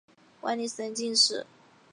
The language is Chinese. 万历十年进士。